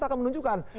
ini bisa menunjukkan